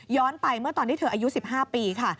ไปเมื่อตอนที่เธออายุ๑๕ปีค่ะ